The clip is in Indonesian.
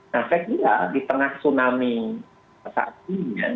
nah saya kira di tengah tsunami saat ini